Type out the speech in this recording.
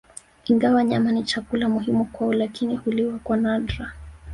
Ingawa nyama ni chakula muhimu kwao lakini huliwa kwa nadra